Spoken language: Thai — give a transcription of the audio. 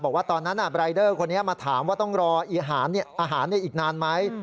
บอกว่าตอนนั้นรายเดอร์คนนี้มาถามว่าต้องรออาหารอีกนานไหม